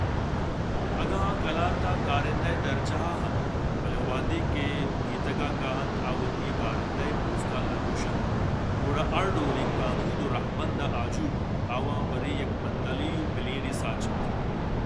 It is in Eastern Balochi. اگاں آقلاتءَکارندہءِ درجہ ءَ اَنت بلئے وہدے کہ میتگ ءَ کاینت آوتی کارندہےءِ پوست ءَ لگوش اَنت گڑا ہر ڈولیں قانود ءُرَہبندءَ آجو بنت آواں برے یک پندل ءُپلینڈے ساچ اِت